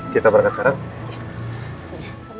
met dia mesti kekal